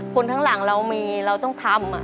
คนข้างหลังเรามีเราต้องทำ